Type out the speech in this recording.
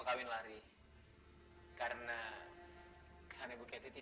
pak bagaimana anak saya keti